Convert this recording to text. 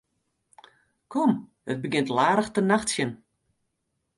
Kom, it begjint al aardich te nachtsjen.